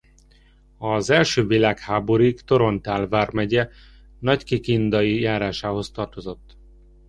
Az első világháborúig Torontál vármegye Nagykikindai járásához tartozott.